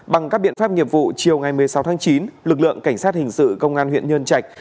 bằng các biện pháp nghiệp vụ chiều ngày một mươi sáu tháng chín lực lượng cảnh sát hình sự công an huyện nhân trạch